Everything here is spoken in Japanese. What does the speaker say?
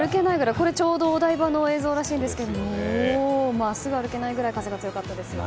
これちょうどお台場の映像らしいんですけどもうまっすぐ歩けないくらい強かったですね。